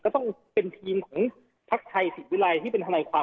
ต้องเป็นทีมของพักไทยศรีวิรัยที่เป็นธนายความ